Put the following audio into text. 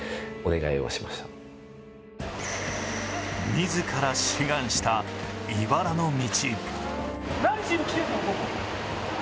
自ら志願した、いばらの道。